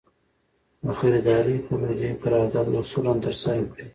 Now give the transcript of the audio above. د خریدارۍ پروژې قرارداد اصولاً ترسره کړي.